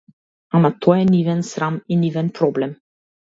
Ама тоа е нивен срам и нивен проблем.